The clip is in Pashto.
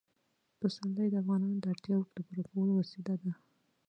پسرلی د افغانانو د اړتیاوو د پوره کولو وسیله ده.